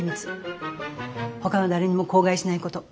ほかの誰にも口外しないこと。